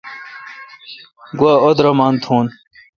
گوا اودرمان تھون۔